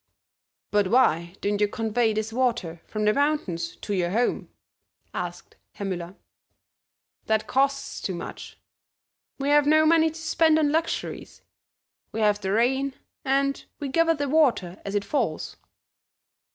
"But why don't you convey this water from the mountains to your home?" asked Herr Müller. "That costs too much; we have no money to spend on luxuries; we have the rain and we gather the water as it falls."